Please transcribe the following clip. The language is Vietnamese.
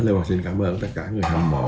lê quang xin cảm ơn tất cả người hâm mộ